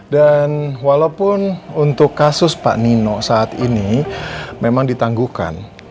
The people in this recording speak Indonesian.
dan walaupun untuk kasus pak nino saat ini memang ditangguhkan